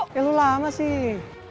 ya lu lama sih